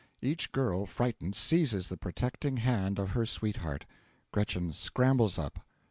Each girl, frightened, seizes the protecting hand of her sweetheart. GRETCHEN scrambles up.